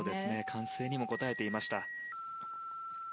歓声にも応えていました。